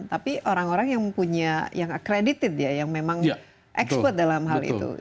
tapi orang orang yang punya yang acredited ya yang memang expert dalam hal itu